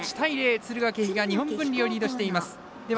敦賀気比が日本文理をリードしています。